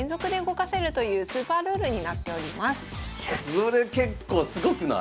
それ結構すごくない？